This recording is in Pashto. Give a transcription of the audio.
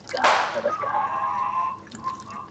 که په ژړا کي مصلحت وو، خندا څه ډول وه.